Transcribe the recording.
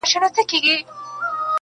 د بل پر کور سل مېلمانه څه دي.